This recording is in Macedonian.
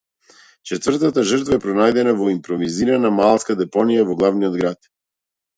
Четвртата жртва е пронајдена во импровизирана маалска депонија во главниот град.